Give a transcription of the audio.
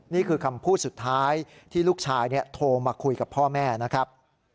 นี่คือคำพูดสุดท้ายที่ลูกชายโทรมาคุยกับพ่อแม่นะครับ